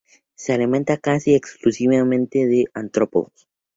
Se alimentan casi exclusivamente de artrópodos.